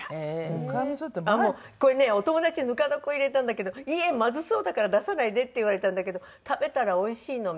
これねお友達のぬか床入れたんだけど「いいえまずそうだから出さないで」って言われたんだけど食べたらおいしいの。